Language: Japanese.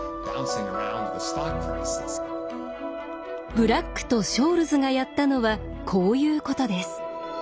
ブラックとショールズがやったのはこういうことです。